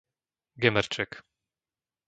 Gemerček